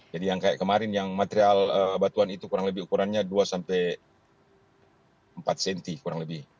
jadi yang kayak kemarin yang material batuan itu kurang lebih ukurannya dua empat cm kurang lebih